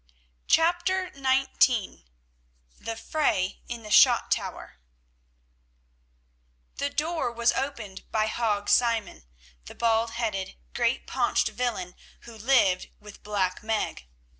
CHAPTER XIX THE FRAY IN THE SHOT TOWER The door was opened by Hague Simon, the bald headed, great paunched villain who lived with Black Meg.